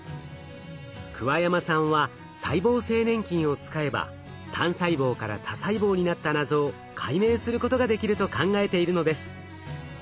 桑山さんは細胞性粘菌を使えば単細胞から多細胞になった謎を解明することができると考えているのです。